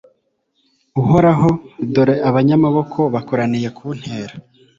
Uhoraho dore abanyamaboko bakoraniye kuntera